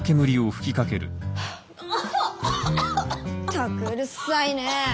ったくうるさいねえ！